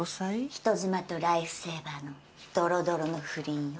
人妻とライフセーバーのドロドロの不倫よ。